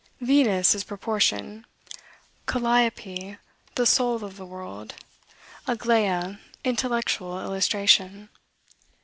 Venus is proportion; Calliope, the soul of the world; Aglaia, intellectual illustration.